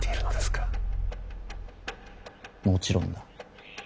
もちろんだ。